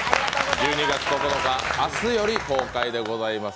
１２月９日、明日より公開でございます。